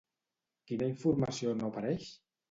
Quina informació no apareix?